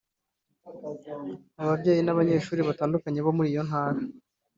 ababyeyi n’abanyeshuri batandukanye bo muri iyo Ntara